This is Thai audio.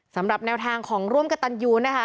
สำหรับแนวทางของร่วมกับตันยูนะคะ